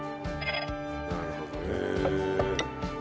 なるほどね。